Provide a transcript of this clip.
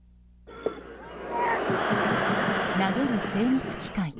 投げる精密機械。